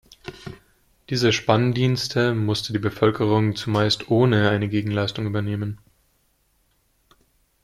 Diese Spanndienste musste die Bevölkerung zumeist ohne eine Gegenleistung übernehmen.